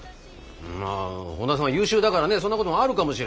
まあ本田さんは優秀だからねそんなこともあるかもしれないよ。